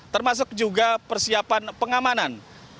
termasuk juga persiapan pengamanan